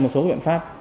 một số biện pháp